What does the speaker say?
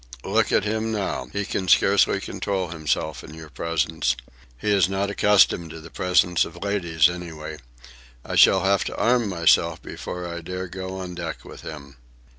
"Look at him now. He can scarcely control himself in your presence. He is not accustomed to the presence of ladies anyway. I shall have to arm myself before I dare go on deck with him."